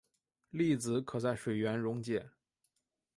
粒子可在水源溶解。